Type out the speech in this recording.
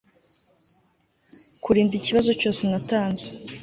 kurinda ikibazo cyose natanze